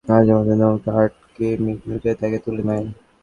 বাড়ি থেকে বেরোনোর পরপরই মাঝপথে নৌকা আটকে মিলিটারিরা তাকে তুলে নেয়।